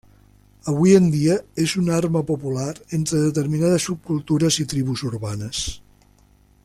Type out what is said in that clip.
Avui en dia és una arma popular entre determinades subcultures i tribus urbanes.